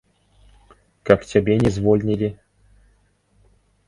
Каб цябе не звольнілі?